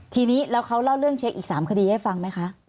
ทีนี้แล้วเขาเล่าเรื่องเช็คอีก๓คดีให้ฟังไหมคะ